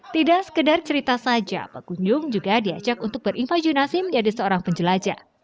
tidak sekedar cerita saja pengunjung juga diajak untuk berimajinasi menjadi seorang penjelajah